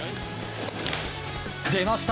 出ました！